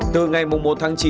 từ ngày một tháng chín